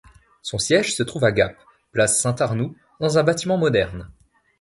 Son siège se trouve à Gap, place Saint-Arnoux, dans un bâtiment moderne.